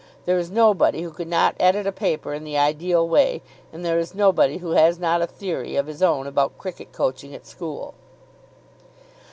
There is nobody who could not edit a paper in the ideal way; and there is nobody who has not a theory of his own about cricket coaching at school.